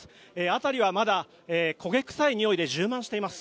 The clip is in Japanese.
辺りはまだ焦げ臭いにおいで充満しています。